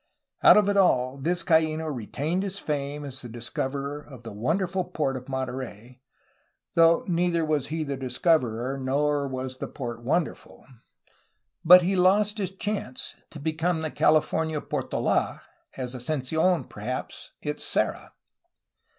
Out of it all, Vizcafno retained his fame as the discoverer of the wonderful port of Monterey, — though neither was he the discoverer nor was the port wonderful, — but he lost his chance to become the California Portold, as Ascensi6n, perhaps, its Serra.